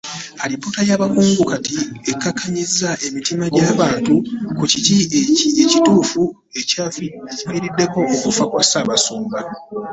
Alipoota y’abakungu kati okukkakkanyizza emitima gy’abantu ku kiki ekituufu ekyavuddeko okufa kwa Ssaabasumba.